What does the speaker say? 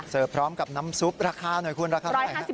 เสิร์ฟพร้อมกับน้ำซุปราคาหน่อยคุณราคาหน่อย